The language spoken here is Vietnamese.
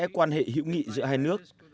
quan hệ hữu nghị giữa hai nước